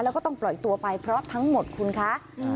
แล้วก็ต้องปล่อยตัวไปเพราะทั้งหมดคุณคะ